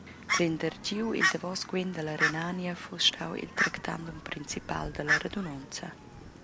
Prender giu il davos quen dalla Renania fuss stau il tractandum principal dalla radunonza.